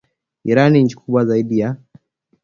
Iran nchi kubwa zaidi ya